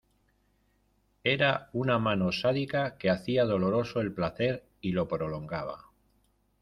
era una mano sádica que hacía doloroso el placer y lo prolongaba.